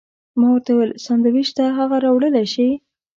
ما ورته وویل: سانډویچ شته، هغه راوړلی شې؟